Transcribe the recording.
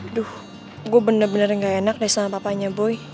aduh gue bener bener gak enak deh sama papanya boy